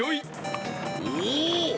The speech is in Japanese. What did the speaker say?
おお！